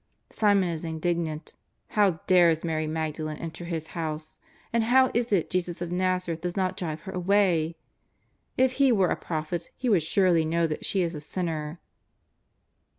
Simon is indignant. How dares Mary Magdalen enter his house ! And how is it Jesus of IsTazareth does not drive her away? If He were a prophet He would surely know that she is a sinner.